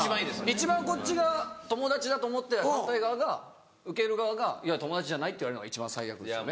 一番こっちが友達だと思って反対側が受ける側が友達じゃないって言われるのが一番最悪ですよね。